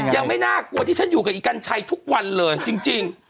ยังไม่น่ากลัวที่ฉันอยู่กับอีกัญชัยทุกวันเลยจริง